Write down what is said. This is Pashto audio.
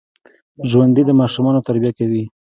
ژوندي د ماشومانو تربیه کوي